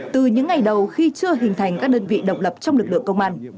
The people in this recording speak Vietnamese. từ những ngày đầu khi chưa hình thành các đơn vị độc lập trong lực lượng công an